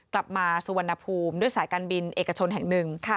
กลับมาสุวรรณภูมิด้วยสายการบินเอกชนแห่งหนึ่ง